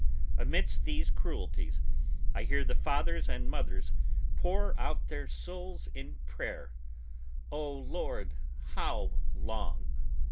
Amidst these cruelties I hear the fathers and mothers pour out their souls in prayer, "O, Lord, how long!"